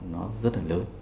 nó rất là lớn